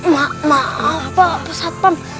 maaf pak pesat pam